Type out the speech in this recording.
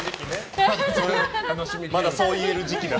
まだそう言える時期だ。